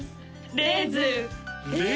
レーズン！？